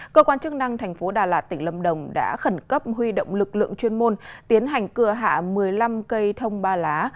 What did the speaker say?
cơ quan chức năng thành phố đà lạt tỉnh lâm đồng đã khẩn cấp huy động lực lượng chuyên môn tiến hành cửa hạ một mươi năm cây thông ba lá